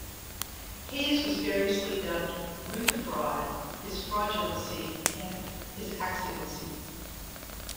Hayes was variously dubbed "Rutherfraud," "His Fraudulency," and "His Accidency.